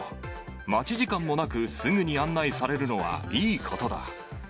待ち時間もなく、すぐに案内されるのはいいことだ。